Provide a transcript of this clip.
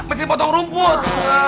mesin potong rumput